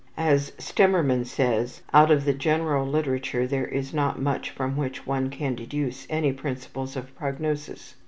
As Stemmermann says, out of the general literature there is not much from which one can deduce any principles of prognosis.